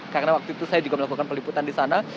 karena waktu itu saya juga melakukan peliputan di sana